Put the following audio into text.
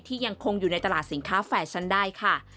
ยังคงอยู่ในตลาดสินค้าแฟชั่นได้ค่ะ